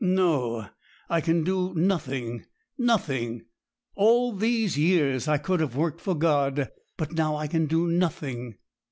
No; I can do nothing nothing! All these years I could have worked for God; but now I can do nothing!'